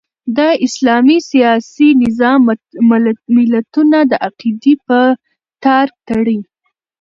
د اسلام سیاسي نظام ملتونه د عقیدې په تار تړي.